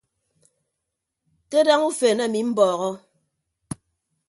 Kadaña ufen emi mbọde.